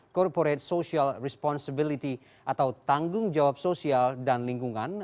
corporate social responsibility atau tanggung jawab sosial dan lingkungan